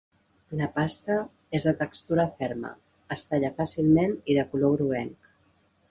La pasta és de textura ferma, es talla fàcilment i de color groguenc.